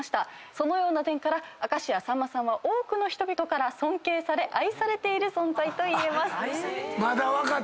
「そのような点から明石家さんまさんは多くの人々から尊敬され愛されている存在といえます」